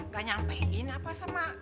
gak nyampein apa sama